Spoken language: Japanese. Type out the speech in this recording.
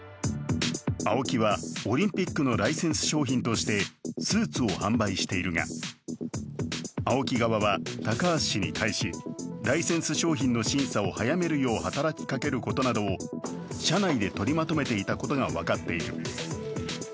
ＡＯＫＩはオリンピックのライセンス商品としてスーツを販売しているがＡＯＫＩ側は、高橋氏に対しライセンス商品の審査を早めるよう働きかけることなどを社内で取りまとめていたことが分かっている。